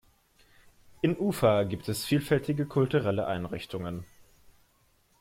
In Ufa gibt es vielfältige kulturelle Einrichtungen.